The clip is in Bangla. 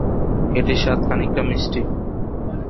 এটির স্বাদ খানিকটা মিষ্টি।